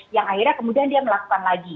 yang akhirnya kemudian dia melakukan lagi